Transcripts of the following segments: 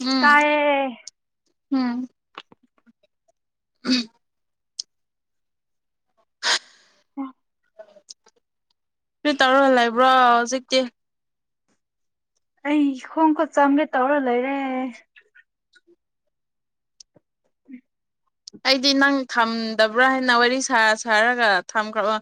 ꯎꯝ ꯀꯑ ꯎꯝ ꯑ [unintelligible] ꯀ꯭ꯔꯤꯇꯧꯔ ꯂꯩꯕ꯭ꯔꯣ ꯍꯧꯖꯤꯛꯇꯤ ꯑꯩ ꯏ ꯈꯣꯡ ꯈꯨꯠ ꯆꯥꯝꯒꯦ ꯇꯧꯔ ꯂꯩꯔꯦ ꯑꯩꯗꯤ ꯅꯪ ꯊꯝꯗꯕ꯭ꯔꯥ ꯍꯥꯏꯅ ꯋꯥꯔꯤ ꯁꯥ ꯁꯥꯔꯒ ꯊꯝꯈ꯭ꯔꯕ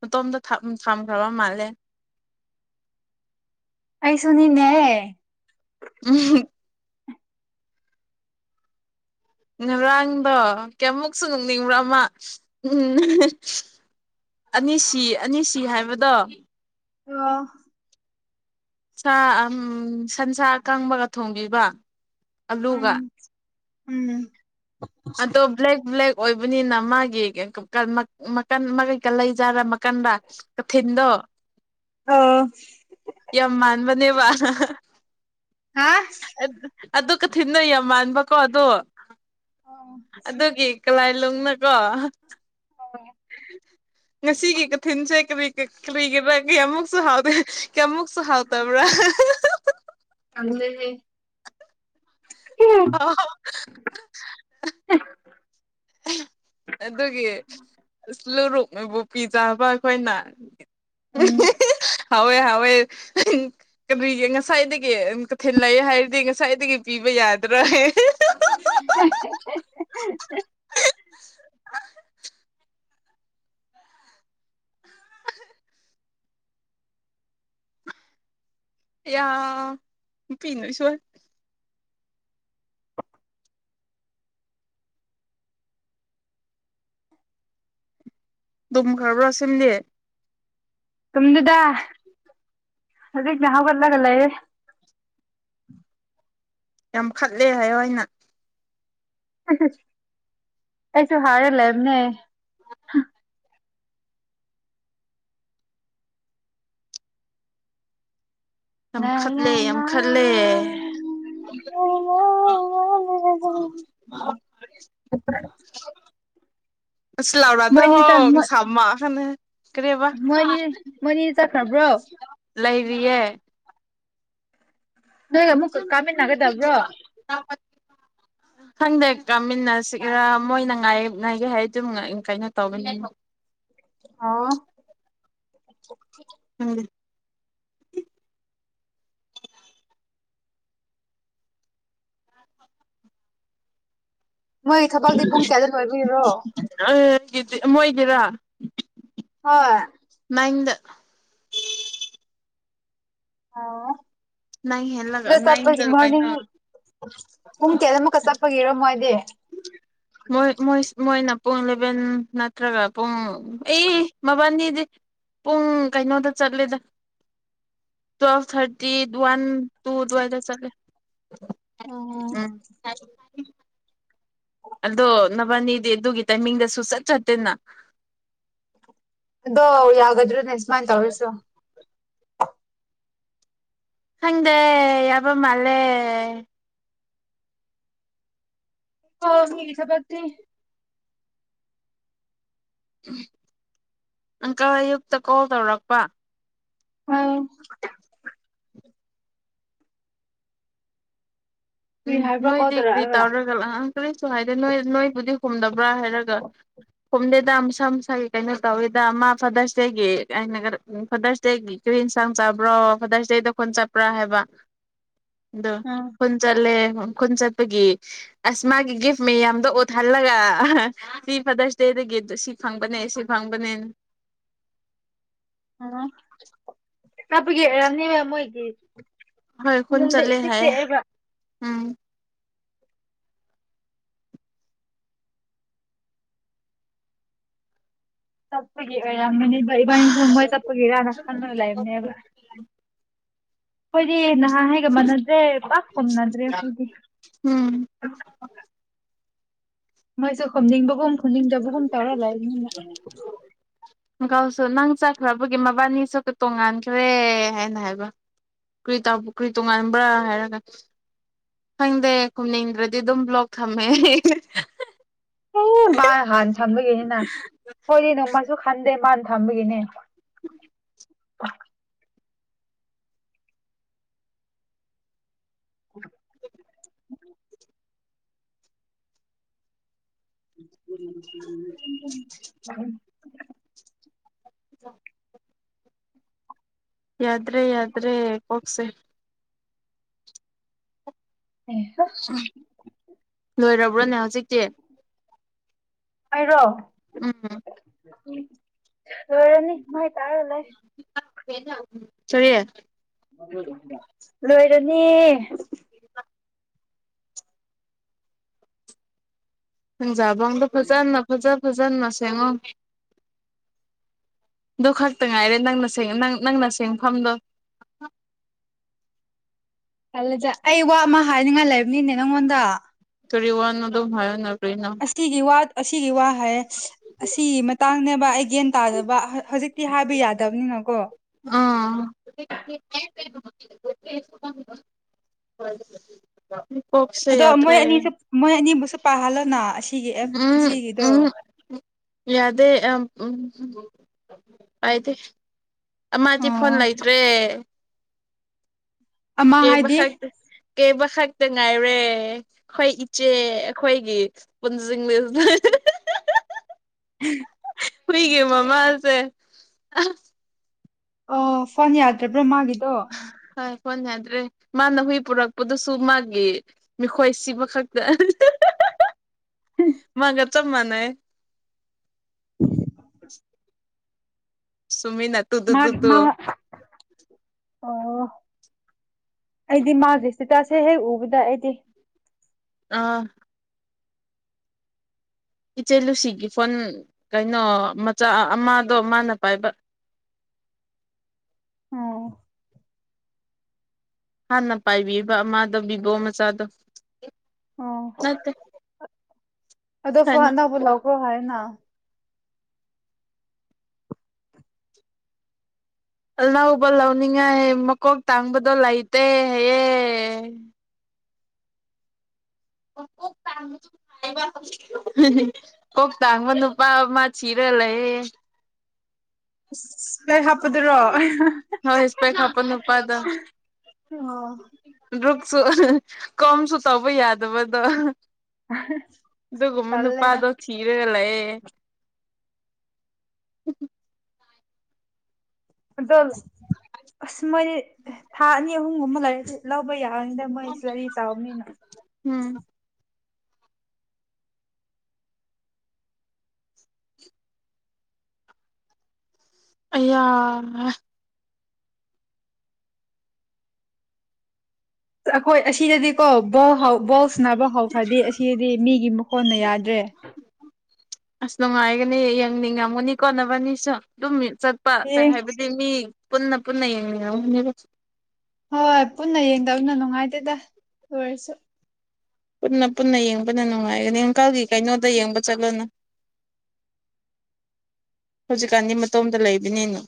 ꯃꯇꯣꯝꯇ ꯊꯝ ꯊꯝꯈ꯭ꯔꯕ ꯃꯥꯜꯂꯦ ꯑꯩꯁꯨꯅꯤꯅꯦ ꯎꯝ ꯉꯔꯥꯡꯗꯣ ꯀꯌꯥꯃꯨꯛꯁꯨ ꯅꯣꯛꯅꯤꯡꯕ꯭ꯔ ꯑꯃ ꯎꯝ ꯑꯅꯤꯁꯤ ꯑꯅꯤꯁꯤ ꯍꯥꯏꯕꯗꯣ ꯑꯣ ꯁꯥ ꯑꯝ ꯁꯟꯁꯥ ꯀꯪꯕꯒ ꯊꯣꯡꯕꯤꯕ ꯎꯝ ꯑꯗꯨꯒ ꯎꯝ ꯑꯗꯣ ꯕ꯭ꯂꯦꯛ ꯕ꯭ꯂꯦꯛ ꯑꯣꯏꯕꯅꯤꯅ ꯃꯥꯒꯤ ꯀꯩꯀꯩ ꯀꯥ ꯂꯩꯖꯥꯔ ꯃꯀꯟꯂ ꯀꯊꯤꯟꯗꯣ ꯑꯣ ꯌꯥꯝ ꯃꯥꯟꯕꯅꯦꯕ ꯍꯥ ꯑꯗꯨ ꯀ ꯊꯤꯟꯅꯩ ꯌꯥꯝ ꯃꯥꯟꯕꯀꯣ ꯑꯗꯣ ꯑꯣ ꯑꯗꯨꯒꯤ ꯀꯂꯥꯏꯂꯣꯡꯅꯀꯣ ꯍ ꯉꯁꯤꯒꯤ ꯀꯊꯤꯟꯁꯦ ꯀꯔꯤ ꯀꯔꯤꯒꯤꯔꯥ ꯀꯌꯥꯃꯨꯛꯁꯨ ꯍꯥꯎꯗꯦ ꯀꯃꯨꯛꯁꯨ ꯍꯥꯎ ꯇꯕ꯭ꯔꯥ ꯇꯜꯂꯦꯍꯦ ꯑꯣ ꯑꯗꯨꯒꯤ [unintelligible] ꯅꯣꯏꯕꯨ ꯄꯤꯖꯥꯕ ꯑꯩꯈꯣꯏꯅ ꯎꯝ ꯍꯥꯎꯋꯦ ꯍꯥꯎꯋꯦ ꯀꯩꯔꯤꯒꯤ ꯉꯁꯥꯏꯗꯒꯤ ꯀꯊꯤꯟ ꯂꯩ ꯍꯥꯏꯔꯗꯤ ꯉꯁꯥꯏꯗꯒꯤ ꯄꯤꯕ ꯌꯥꯗ꯭ꯔꯥ [unintelligible] ꯌꯥ ꯄꯤꯅꯁ ꯇꯨꯝꯈꯕ꯭ꯔꯥ ꯁꯤꯝꯂꯤ ꯇꯨꯝꯗꯗ ꯍꯧꯖꯤꯅ ꯍꯒꯠꯂꯒ ꯂꯩꯔꯦ ꯌꯥꯝ ꯈꯠꯂꯦ ꯍꯥꯏꯌꯣ ꯍꯥꯏꯅ ꯑꯩꯁꯨ ꯍꯔꯦ ꯂꯦꯝꯅꯦ ꯍꯥ ꯌꯥꯝ ꯈꯠꯂꯦ ꯌꯥꯝ ꯈꯠꯂꯦ ꯉꯣ [unintelligible] ꯁꯤ ꯂꯥꯎꯔꯗꯣ ꯍꯣꯡ ꯁꯝꯃꯈꯅ ꯀꯔꯤꯕ ꯃꯣꯏꯅꯤ ꯃꯣꯏꯅꯤ ꯆꯠꯈ꯭ꯔꯕ꯭ꯔꯣ ꯂꯩꯔꯤꯌꯦ ꯅꯣꯏꯒ ꯑꯃꯨꯛ ꯀꯥꯃꯤꯟꯅꯒꯗꯕ꯭ꯔꯣ ꯈꯪꯗꯦ ꯀꯥꯃꯤꯟꯅꯁꯤꯔ ꯃꯣꯏꯅ ꯉꯥꯏ ꯉꯒꯦ ꯍꯥꯏ ꯑꯗꯨꯝ ꯀꯩꯅꯣ ꯇꯧꯒꯅꯤ ꯑꯣ ꯈꯪꯗꯦ꯫ [unintelligible] ꯃꯣꯏ ꯊꯕꯛꯇꯤ ꯄꯨꯡ ꯀꯌꯥꯗ ꯂꯣꯏꯕꯤꯔꯣ꯫ [unintelligible] ꯃꯣꯏꯒꯤꯔꯥ ꯍꯣꯏ꯫ [unintelligible] ꯑꯥꯎ꯫ ꯅꯥꯏꯟ ꯍꯦꯜꯂꯒ ꯁꯤꯗ ꯆꯠꯄꯒꯤ ꯅꯥꯏꯟꯗ ꯃꯣꯔꯅꯤꯡ ꯀꯩꯅꯣ ꯄꯨꯡ ꯀꯌꯥꯗ ꯑꯃꯨꯛꯀ ꯆꯠꯄꯒꯤꯔꯣꯃꯣꯏꯗꯤ꯫ ꯃꯣꯏ ꯃꯣꯏ ꯃꯣꯏꯅ ꯄꯨꯡ ꯏꯂꯦꯚꯦꯟ ꯅꯠꯇ꯭ꯔꯒ ꯄꯨꯡ ꯑꯦ ꯃꯕꯥꯟꯖꯤꯗꯤ ꯄꯨꯡ ꯀꯩꯅꯣꯗ ꯆꯠꯂꯦꯗ ꯇꯨꯌꯦꯕ ꯊꯥꯔꯇꯤ꯫ ꯗꯨ ꯋꯥꯟ ꯇꯨꯗꯨꯋꯥꯏꯗ ꯆꯠꯂꯦ [unintelligible] ꯎꯝ ꯑꯗꯣ ꯅꯕꯥꯅꯤꯗꯤ ꯑꯗꯨꯒꯤ ꯇꯥꯏꯃꯤꯡꯗꯁꯨ ꯁꯨꯆꯠ ꯆꯠꯇꯦꯅ꯫ ꯑꯗꯣ ꯌꯥꯒꯗ꯭ꯔꯅꯦ꯫ ꯃꯥꯏ ꯇꯧꯔꯁꯤꯔꯣ꯫ ꯈꯪꯗꯦ ꯌꯥꯕ ꯃꯥꯜꯂꯦ꯫ [unintelligible] ꯑꯪꯀꯜ ꯑꯌꯨꯛꯇ ꯀꯣꯜ ꯇꯧꯔꯛꯄ꯫ ꯑꯧ ꯀꯔꯤ ꯎꯝ ꯍꯥꯏꯕ꯭ꯔꯥ ꯀꯣꯜ ꯅꯣꯏꯗꯤ ꯀꯔꯤ ꯇꯧꯔꯛꯑꯒ ꯇꯧꯔꯒ ꯂꯥꯛꯑ꯫ ꯀꯔꯤꯁꯨ ꯍꯥꯏꯗꯦ ꯅꯣꯏ ꯅꯣꯏꯕꯨꯗꯤ ꯍꯨꯝꯗꯕ꯭ꯔ ꯍꯥꯏꯔꯒ ꯈꯨꯝꯗꯦꯗ ꯃꯁꯥ ꯃꯁꯥꯒꯤ ꯀꯩꯅꯣ ꯇꯧꯋꯤꯗ ꯃꯥ ꯐꯥꯗꯔꯁꯗꯦꯒꯤ [unintelligible] ꯐꯥꯗꯔꯁꯗꯦꯒꯤ ꯀꯔꯤ ꯑꯦꯟꯁꯥꯡ ꯆꯥꯕ꯭ꯔꯣ ꯐꯥꯗꯔꯁꯗꯦꯗ ꯈꯨꯟ ꯆꯠꯄ꯭ꯔꯥ ꯍꯥꯏꯕ꯫ ꯗꯣ ꯎꯝ ꯄꯨꯟ ꯆꯠꯂꯦ ꯈꯨꯟ ꯆꯠꯄꯒꯤ ꯑꯁ ꯃꯥꯒꯤ ꯒꯤꯄ ꯃꯌꯥꯝꯗꯣ ꯑꯣꯠꯍꯜꯂꯒ ꯁꯤ ꯐꯥꯗꯔꯁ ꯗꯦꯗꯒꯤ ꯁꯤ ꯐꯪꯕꯅꯦ ꯁꯤ ꯐꯪꯕꯅꯦ [unintelligible] ꯀꯞꯄꯒꯤ ꯑꯣꯏꯔꯝꯅꯤꯕ ꯃꯣꯏꯒꯤ꯫ ꯍꯣꯏ ꯈꯨꯟ ꯏꯃꯨꯡꯗ ꯆꯠꯂꯦ ꯏꯆꯤꯛ ꯍꯥꯏꯌꯦ꯫ ꯆꯤꯛꯑꯦꯕ ꯎꯝ꯫ ꯇꯞꯄꯒꯤ ꯑꯣꯏ ꯌꯥꯝꯕꯅꯤꯕ ꯏꯕꯥꯏꯅꯤꯖꯨ ꯃꯣꯏ ꯆꯠꯄꯒꯤꯔꯅ ꯈꯟꯗꯨꯅ ꯂꯩꯕꯅꯦꯕ꯫ ꯈꯣꯏꯗꯤ ꯅ ꯍꯥꯉꯩꯒ ꯃꯥꯟꯅꯗꯦ ꯄꯥꯛꯀꯨꯝꯅꯗ꯭ꯔꯦ ꯑꯩꯈꯣꯏꯗꯤ꯫ ꯎꯝ ꯃꯣꯏꯁꯨ ꯀꯨꯝꯅꯤꯡꯕꯒꯨꯝꯦ ꯀꯨꯝꯅꯤꯡꯗꯕꯒꯨꯝ ꯇꯧꯔ ꯂꯩꯔꯃꯤꯅ꯫ ꯃꯀꯥꯎꯁꯨ ꯅꯪ ꯆꯠꯈ꯭ꯔꯕꯒꯤ ꯃꯕꯥꯅꯤ ꯆꯠꯕ ꯇꯣꯡꯉꯥꯟꯈ꯭ꯔꯦ ꯍꯥꯏꯅ ꯍꯥꯏꯕ ꯀꯔꯤꯇꯧ ꯀꯔꯤ ꯇꯣꯉꯥꯟꯕ꯭ꯔ ꯍꯥꯏꯔꯒ ꯈꯪꯗꯦ ꯈꯨꯝꯅꯤꯡꯗ꯭ꯔꯗꯤ ꯑꯗꯨꯝ ꯕ꯭ꯂꯣꯛ ꯊꯝꯃꯦ꯫ ꯃꯥ ꯍꯥꯟꯅ ꯊꯝꯕꯒꯤ ꯑꯩꯅ ꯈꯣꯏꯗꯤ ꯅꯣꯡꯃꯖꯨ ꯈꯟꯗꯦ ꯃꯥ ꯊꯝꯕꯒꯤꯅꯦ꯫ ꯑ [inaudible] ꯎꯝ [inaudible] ꯌꯥꯗ꯭ꯔꯦ ꯌꯥꯗ꯭ꯔꯦ ꯀꯣꯛꯁꯦ ꯑꯦ ꯂꯣꯏꯔꯕꯔꯕ ꯄꯨ꯭ꯔꯅꯦ ꯍꯧꯖꯤꯛꯇꯤ ꯑꯣꯏꯔꯣ ꯎꯝ ꯎ ꯍ ꯔꯅꯤ ꯃꯥꯥꯏ ꯎꯝ ꯁꯔꯤ ꯂꯣꯏꯔꯅꯤ [unintelligible] ꯎꯝ ꯐꯖꯥꯥꯡꯗꯣ ꯐꯖꯥꯅꯅ ꯐꯖꯥ ꯐꯖ ꯆꯥꯟꯁꯦꯉ ꯑꯗꯨ ꯈꯛꯇ ꯉꯥꯏꯔꯦ ꯅꯪꯅꯪ ꯅꯪꯅ ꯁꯦꯡꯐꯝꯗꯣ ꯈꯜꯂꯖ ꯑꯩ ꯋꯥ ꯑꯃ ꯍꯥꯏꯅꯤꯡꯉꯥꯏ ꯂꯩꯕꯅꯤꯅꯦ ꯅꯪꯉꯣꯟꯗ ꯇ ꯋꯥꯅ ꯑꯗꯨꯣ ꯍꯥꯏꯌꯅ ꯑꯁꯤꯒꯤ ꯋꯥꯠ ꯑꯁꯤꯒꯤ ꯋꯥ ꯍꯥꯏ ꯑꯁꯤꯒꯤ ꯃꯇꯥꯡꯅꯦꯕ ꯑꯩ ꯒ꯭ꯌꯥꯟ ꯇꯥꯗꯕ ꯍꯧꯖꯤꯛꯇꯤ ꯍꯥꯏꯕ ꯌꯥꯗꯕꯅꯤꯅꯀꯣ ꯑꯥ [unintelligible] ꯑꯗꯣ ꯃꯣꯏ ꯌꯥꯗ꯭ꯔꯦ ꯑꯅꯤꯁꯨ ꯃꯣꯏ ꯑꯅꯤꯕꯨꯁꯨ ꯄꯍꯜꯣꯅ ꯑꯁꯤ ꯎꯝ ꯎꯝ ꯌꯥꯗꯦ ꯑ ꯎꯝ ꯑꯥꯏꯗꯤ ꯗꯤ ꯐꯣꯟ ꯑꯣ ꯂꯩꯇ꯭ꯔꯦ ꯑꯃ ꯀꯦꯕ ꯍꯥꯏꯗꯤ ꯈꯛꯇ ꯀꯦꯕ ꯈꯛꯇ ꯉꯥꯏꯔꯦ ꯑꯩꯈꯣꯏ ꯏꯆꯦ ꯑꯩꯈꯣꯏꯒꯤ ꯄꯨꯟꯁꯤꯡꯂꯤꯅ ꯎꯝ ꯍꯣꯏꯒꯦꯃ ꯃꯥꯁꯦ ꯑꯣ ꯐꯣꯟ ꯌꯥꯗ꯭ꯔ ꯄꯨ꯭ꯔ ꯃꯥꯒꯤꯗꯣ ꯁꯣꯟꯅꯗ꯭ꯔꯦ ꯃꯥꯅ ꯍꯨꯏ ꯄꯨꯔꯛꯄꯗꯨꯁꯨ ꯃꯥꯒꯤ ꯃꯤꯈꯣꯏ ꯁꯤꯕ ꯈꯛꯇ ꯃꯥꯒ ꯆꯞ ꯃꯥꯟꯅꯩ ꯎꯝ ꯇꯃꯤ ꯅꯅꯥ ꯇꯨ ꯇ ꯇꯨ ꯃꯥꯒꯤ ꯇ ꯃꯥ ꯑꯣ ꯑꯩꯗꯤ ꯃꯥꯁꯦ ꯏꯁꯇꯤꯇꯥꯁꯦ ꯍꯦꯛ ꯎꯕꯗ ꯑꯩꯗꯤ ꯑꯥ ꯏꯆꯦ ꯂꯨꯁꯤꯒꯤ ꯐꯣꯟ ꯀꯩꯅꯣ ꯃꯆꯥ ꯑꯃꯗꯣ ꯃꯥꯅ ꯄꯥꯏꯕ ꯑꯣ ꯍꯥꯟꯅ ꯄꯥꯏꯕꯤꯕ ꯃꯥꯗꯕꯤꯕꯣ ꯃꯆꯥꯗ ꯑꯣ ꯅꯠꯇ ꯑꯗꯣ ꯐꯨꯍꯅꯕꯨ ꯂꯧꯀꯣ ꯍꯥꯏꯅ ꯑ ꯑꯅꯧꯕ ꯂꯧꯅꯤꯡꯉꯥꯏ ꯃꯀꯣꯛ ꯇꯥꯡꯕꯗꯣ ꯂꯩꯇꯦ ꯍꯌꯦꯦ ꯄ ꯊ ꯃ ꯑꯗꯨ ꯄꯥ ꯃꯥ ꯁꯤꯤꯔꯦ ꯂꯩ ꯏꯁ ꯂꯥꯏꯔꯤꯛ ꯍꯥꯞꯄꯗꯨꯔꯣ ꯍ ꯍꯁꯄ ꯈꯥꯄ ꯅꯨꯄꯥꯗ ꯑꯣ ꯁ ꯀꯝꯁꯨ ꯇꯧꯕ ꯌꯥꯗꯕꯗꯣ ꯑꯗꯨꯒꯨꯝꯕ ꯅꯨꯄꯥꯗꯣ ꯇꯜꯂꯦꯗ ꯊꯤꯔꯒ ꯂꯩꯌꯦ [inaudible] ꯑꯗꯣ ꯑꯁ ꯃꯅ ꯊꯥꯅꯤ ꯍꯣꯡꯒꯨꯝ ꯂꯩꯔ ꯂꯥꯎꯕ ꯌꯥ ꯀꯗ ꯃꯣꯏꯁꯨ ꯂꯔꯤ ꯆꯥꯎꯅꯤꯅ ꯎꯝ ꯑꯌꯥ ꯑꯩꯈꯣꯏ ꯑꯁꯤꯗꯗꯤꯀꯣ ꯕ ꯕꯣꯜ ꯁꯅꯕ ꯍꯧꯈ꯭ꯔꯗꯤ ꯑꯁꯤꯗꯤ ꯃꯤꯒꯤ ꯃꯈꯣꯟꯅ ꯌꯥꯗ꯭ꯔꯦ ꯑꯁ ꯅꯨꯡꯉꯥꯏꯒꯅꯤ ꯌꯦꯡꯅꯤꯡꯉꯝꯒꯅꯤ ꯀꯣꯟꯠꯅꯕꯅꯤꯁꯨ ꯑꯗꯨꯝ ꯆꯠꯄ ꯑꯦ ꯀꯩ ꯍꯥꯏꯕꯗꯤ ꯃꯤ ꯄꯨꯟꯅ ꯄꯨꯟꯅ ꯌꯦꯡꯅꯤ ꯗ ꯑꯣꯏꯣꯏꯁꯨ ꯄꯨꯟꯅ ꯄꯨꯟꯅ ꯌꯦꯡꯕꯅ ꯅꯨꯡꯉꯥꯏꯒꯅꯤ ꯏꯪꯀꯜꯒꯤ ꯀꯩꯅꯣꯗ ꯌꯦꯡꯕ ꯆꯠꯂꯣꯅ ꯍꯧꯖꯤꯛꯀꯥꯟꯗꯤ ꯃꯇꯣꯝꯗ ꯂꯩꯕꯅꯤꯅ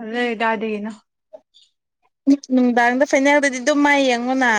ꯑꯗꯦꯗꯗꯤꯒꯅ ꯅꯨꯡꯗꯥꯡꯗ ꯐꯥꯏꯅꯦꯜꯗꯗꯤ ꯑꯗꯨꯝ ꯃꯥꯏ ꯌꯦꯡꯉꯣꯅ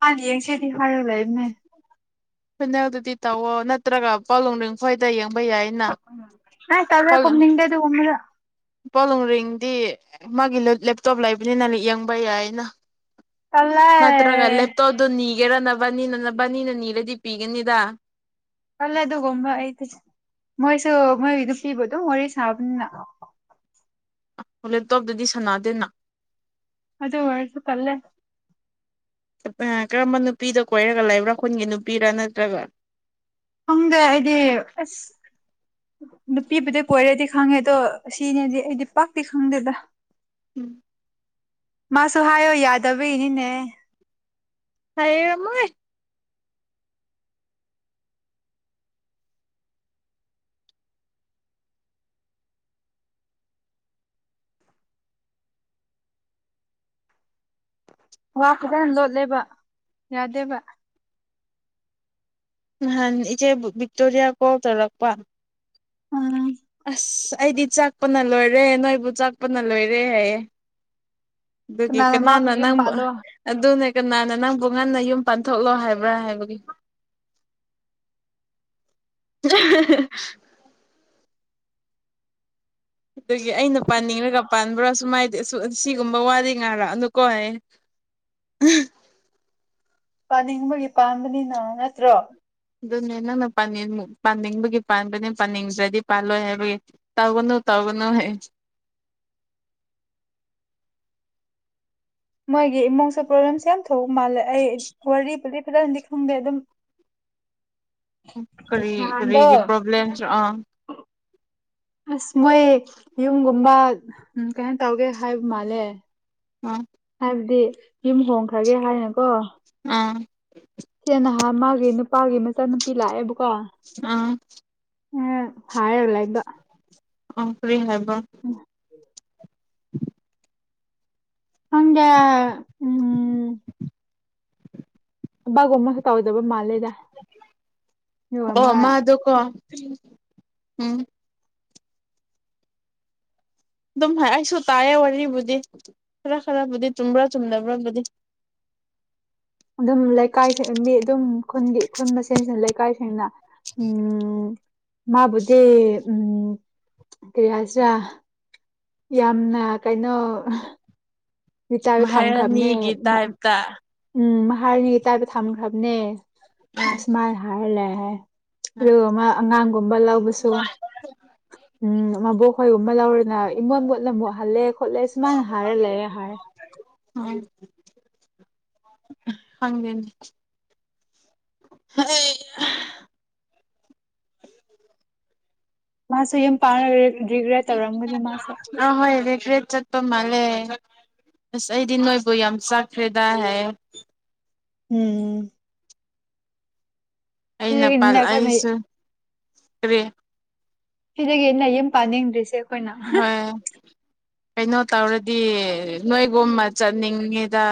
ꯍꯅꯤ ꯌꯦꯡꯁꯦꯗꯤ ꯐꯥꯔ ꯂꯩꯃꯦ ꯐꯤꯅꯜꯗꯨꯗꯤ ꯇꯧꯋꯣ ꯅꯠꯇ꯭ꯔꯒ ꯄꯣꯂꯣꯡ ꯡꯐꯣꯏꯗ ꯌꯦꯡ ꯅ ꯇꯔꯦꯅꯤꯗꯦ ꯑꯗꯨ ꯎꯃꯗ ꯄꯣꯂꯨꯡꯔꯤꯡꯗꯤ ꯃꯥꯒꯤ ꯂꯦꯞꯇꯣꯞ ꯂꯩꯕꯅꯤꯅ ꯌꯦꯡꯕ ꯌꯥꯏꯅ ꯇꯜꯂꯦ ꯃꯥꯠꯇ꯭ꯔꯒꯂꯦ ꯇ ꯑꯗꯨ ꯅꯒꯦꯔ ꯅ ꯕꯥꯅꯤꯅꯕꯥꯅꯤꯅ ꯅꯤꯔꯗꯤ ꯄꯤꯒꯅꯤꯗ ꯈꯜꯂ ꯑꯗꯨꯒꯨꯝꯕ ꯑꯩ ꯃꯣꯏꯁꯨ ꯃꯣꯏꯒꯤꯗꯨ ꯄꯤꯕꯗꯣ ꯋꯥꯔꯤ ꯁꯥꯕꯅꯤꯅ ꯂꯦꯞꯇꯣꯞꯇꯗꯤ ꯁꯥꯟꯅꯗꯦꯅ ꯑꯗ ꯋꯥꯔꯁꯨꯇꯂꯦ ꯀꯔꯝꯕ ꯅꯨꯄꯤꯗ ꯀꯣꯏꯔꯒ ꯂꯩꯕ꯭ꯔꯥ ꯈꯨꯨꯟꯒꯤ ꯅꯨꯄꯤꯔ ꯅꯠꯇ꯭ꯔꯒ ꯈꯪꯗꯦ ꯑꯩꯗꯤ ꯑꯁ ꯅꯨꯄꯤꯕꯨꯗꯤ ꯀꯣꯏꯔꯗꯤ ꯈꯪꯉꯦ ꯑꯗꯣ ꯁꯤꯅꯦꯗꯤ ꯑꯩꯗꯤ ꯄꯥꯛꯇꯤ ꯈꯪꯗꯦꯗ ꯎꯝ ꯃꯥꯁꯨ ꯍꯥꯏꯌꯣ ꯌꯥꯗꯕ ꯏꯅꯤꯅꯦ ꯍꯥꯏ ꯑꯃꯣꯏ ꯋꯥ ꯈꯤꯇꯪ ꯂꯣꯠꯂꯦꯕ ꯌꯥꯗꯦꯕ ꯅꯍꯥꯟ ꯏꯆꯦ ꯕꯤꯛꯇꯣꯔꯤꯌꯥ ꯀꯥꯎ ꯇꯧꯔꯛꯄ ꯑ ꯑꯁ ꯑꯩꯗꯤ ꯆꯥꯛꯄꯅ ꯂꯣꯏꯔꯦ ꯅꯣꯏꯕꯨ ꯆꯥꯛꯄꯅ ꯂꯣꯏꯔꯦ ꯍꯥꯏ ꯑꯗꯨꯒꯤ ꯃꯥꯕꯨ ꯀꯅꯥꯅ ꯌꯨꯝ ꯅꯪ ꯄꯥꯜꯂꯣ ꯑꯗꯨꯅꯦ ꯀꯅꯥꯅ ꯅꯪꯕꯨ ꯉꯟꯅ ꯌꯨꯝ ꯄꯥꯟꯊꯣꯛꯂꯣ ꯍꯥꯏꯕ꯭ꯔꯥ ꯍꯥꯏꯕꯒꯤ ꯑꯗꯒꯤ ꯑꯩꯅ ꯄꯥꯅꯤꯡꯉꯒ ꯄꯥꯟꯕ꯭ꯔꯥ ꯁꯨꯃꯥꯏꯗꯤꯦ ꯑꯁꯤꯒꯨꯝꯕ ꯋꯥꯗꯤ ꯉꯥꯏꯔꯛꯑꯅꯨꯀꯣ ꯍꯥꯏ ꯄꯥꯅꯤꯡꯕꯒꯤ ꯄꯥꯝꯕꯅꯤꯅ ꯅꯠꯇ꯭ꯔꯣ ꯑꯗꯨꯅꯦ ꯅꯪꯅꯅꯤꯡ ꯄꯥꯅꯤꯡꯕꯒꯤ ꯄꯥꯟꯕꯅꯦ ꯄꯥꯅꯤꯡꯗ꯭ꯔꯗꯤ ꯄꯥꯜꯂꯣꯏ ꯍꯥꯏꯕꯒꯤ ꯇꯧꯒꯅꯨ ꯇꯧꯒꯅꯨ ꯍꯥꯏ ꯃꯥꯣꯏꯒꯤ ꯏꯃꯨꯡꯁ꯭ꯔꯣꯕ꯭ꯂꯦꯝꯁ ꯊꯣꯛ ꯃꯥꯜꯂꯦ ꯑꯩ ꯋꯥꯔꯤ ꯈꯤꯇꯅꯗꯤ ꯈꯨꯝꯗꯦ ꯑꯗꯨꯝ ꯀꯔꯤ ꯅꯍꯥꯟꯗꯣ ꯀꯔꯤꯒꯤ ꯄ꯭ꯔꯣꯕ꯭ꯂꯦꯝꯁ ꯑꯥ ꯑꯁ ꯃꯣꯏ ꯌꯨꯝꯒꯨꯝꯕ ꯀꯩꯅ ꯇꯧꯒꯦ ꯍꯥꯏꯕ ꯃꯥꯜꯂꯦ ꯎꯝ ꯑꯗꯨꯗꯤ ꯌꯨꯝ ꯍꯣꯡꯈ꯭ꯔꯒꯦ ꯍꯥꯏꯅꯀꯣ ꯑꯥ ꯁꯤꯦ ꯅꯍꯥꯟ ꯃꯥꯒꯤ ꯅꯨꯄꯥꯒꯤ ꯃꯆꯥꯅꯨꯄꯤ ꯂꯥꯛꯑꯦꯕꯀꯣ ꯑꯥ ꯎꯝ ꯍꯥꯏꯔꯂꯥꯏꯗꯣ ꯑꯣ ꯐꯔꯤ ꯍꯥꯏ ꯋꯥ [inaudible] ꯑꯗ ꯎꯝ ꯕꯒꯨꯝꯃꯁ ꯇꯧꯗꯕ ꯃꯥꯂꯦ ꯑꯣ ꯃꯥꯗ ꯀ ꯎꯝ ꯑꯗꯨꯝ ꯑꯩꯁꯨ ꯇꯥꯏꯌꯦ ꯋꯥꯔꯤꯕꯨꯗꯤ ꯈꯔ ꯈꯔꯕꯨꯗꯤ ꯆꯨꯝꯕ꯭ꯔꯥ ꯆꯨꯝꯗꯕ꯭ꯔꯥꯕꯨꯗꯤ ꯑꯗꯨꯝ ꯂꯩꯀꯥꯏꯁꯤ ꯃꯤ ꯑꯗꯨꯝ ꯈꯨꯟꯒꯤ ꯈꯨꯟ ꯃꯦꯟꯁꯤ ꯂꯩ ꯀꯥꯏ ꯁꯦꯡꯅꯥ ꯎꯝ ꯃꯥꯕꯨꯗꯦ ꯎꯝ ꯀꯔꯤꯌꯥꯆꯥ ꯌꯥꯝꯅ ꯀꯩꯅꯣ ꯃꯤ ꯆꯆꯥꯁꯨ ꯊꯝꯈ꯭ꯔꯕꯅꯦ ꯃꯍꯥꯔꯥꯅꯤꯒꯤ ꯇꯥꯏꯞꯇ ꯎꯝ ꯍꯔꯅꯤꯒꯤ ꯇꯥꯏꯕ ꯊꯝꯃꯟꯈ꯭ꯔꯕꯅꯦ ꯑꯁꯃꯜ ꯍꯔꯂ ꯎ ꯑꯗꯨ ꯑꯃ ꯑꯉꯥꯡꯒꯨꯝꯕ ꯂꯧꯕꯁꯨ ꯎꯝꯣꯛ ꯍꯣꯏꯒꯨꯝꯕ ꯂꯥꯎꯔꯦ ꯏꯃꯣꯠ ꯃꯣꯠꯅ ꯑꯃꯨꯛ ꯍꯜꯂꯦ ꯈꯣꯠꯂꯦ ꯁꯨꯃꯥꯏꯅ ꯍꯥꯏꯔ ꯂꯩꯔꯦ ꯍꯥꯏꯔꯦ ꯍꯪ ꯃꯥꯁꯨ ꯌꯥꯝ ꯄꯥ ꯑ ꯍꯣꯏ ꯔꯤꯒ꯭ꯔꯠ ꯆꯠ ꯆꯠꯄ ꯃꯥꯜꯂꯦ ꯑꯁ ꯑꯩꯗꯤ ꯅꯣꯏꯕꯨ ꯌꯥꯝ ꯆꯥꯛꯈ꯭ꯔꯦꯗ ꯍꯥꯏ꯫ ꯎꯝ꯫ ꯑꯩꯅ ꯁꯤꯗꯒꯤꯅꯤꯅ ꯑꯩꯈꯣꯏꯅ ꯄꯥꯜꯑꯥꯏꯁꯨ ꯀꯔꯤ ꯁꯤꯗꯒꯤ ꯑꯩꯅ ꯌꯨꯝ ꯄꯥꯅꯤꯡꯗꯔꯤꯁꯦ꯫ ꯍꯣꯏ꯫ [unintelligible] ꯀꯩꯅꯣ ꯇꯧꯔꯗꯤ ꯅꯣꯏꯒꯨꯅ ꯆꯠꯅꯤꯡꯉꯤꯗ꯫